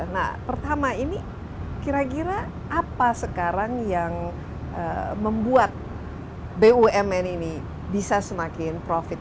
nah pertama ini kira kira apa sekarang yang membuat bumn ini bisa semakin profit